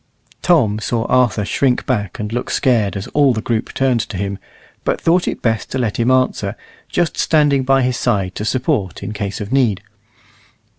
Tom saw Arthur shrink back and look scared as all the group turned to him, but thought it best to let him answer, just standing by his side to support in case of need.